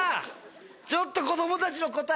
ちょっと子供たちの答え。